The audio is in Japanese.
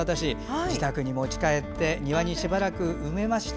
自宅に持ち帰って庭にしばらく埋めました。